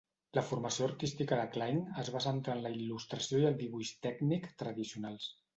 La formació artística de Kline es va centrar en la il·lustració i el dibuix tècnic tradicionals.